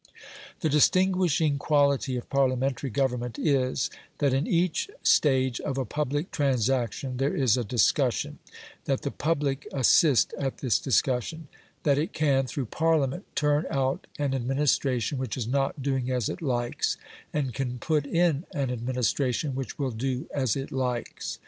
The distinguishing quality of Parliamentary government is, that in each stage of a public transaction there is a discussion; that the public assist at this discussion; that it can, through Parliament, turn out an administration which is not doing as it likes, and can put in an administration which will do as it likes.